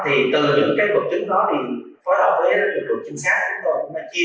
cái vật chứng đó thì phối hợp với cái vật chứng xác chúng tôi